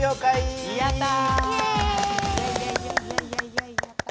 やったぁ。